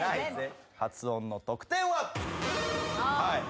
発音の得点は？